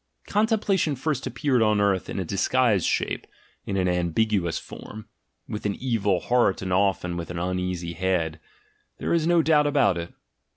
Contemplation first appeared on earth in a disguised shape, in an ambiguous form, with an evil heart and often with an uneasy head: there is no doubt about it.